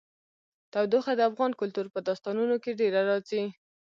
تودوخه د افغان کلتور په داستانونو کې ډېره راځي.